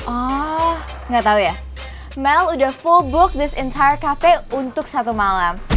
ah gak tau ya mel udah penuh bukaan ini untuk satu malam